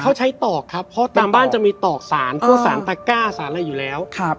เขาใช้ตอกครับเพราะตามบ้านจะมีตอกสารพวกสารตะก้าสารอะไรอยู่แล้วครับ